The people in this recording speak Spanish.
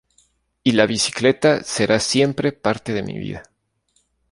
Y la bicicleta será siempre parte de mi vida.